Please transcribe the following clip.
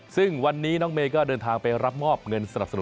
ซึ่งวันนี้น้องเมย์ก็เดินทางไปรับมอบเงินสนับสนุน